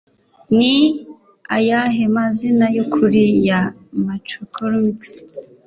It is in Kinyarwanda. Ni ayahe mazina Yukuri ya Macolm X?